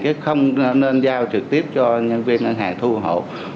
chứ không nên giao trực tiếp cho nhân viên ngân hàng thu hộ